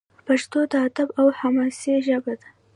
پښتو د ادب او حماسې ژبه ده.